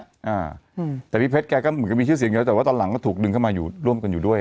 อ่าอืมแต่พี่เพชรแกก็เหมือนกับมีชื่อเสียงอยู่แล้วแต่ว่าตอนหลังก็ถูกดึงเข้ามาอยู่ร่วมกันอยู่ด้วย